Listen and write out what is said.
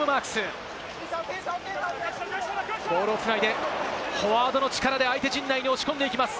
２番のマルコム・マークス、ボールを繋いで、フォワードの力で相手陣内に押し込んでいきます。